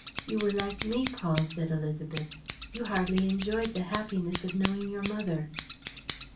"You were like me, Paul," said Élisabeth. "You hardly enjoyed the happiness of knowing your mother."